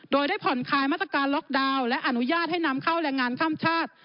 โดยได้ผ่อนคลายมาตรการล็อกดาวน์และอนุญาตให้นำเข้าแรงงานข้ามชาติ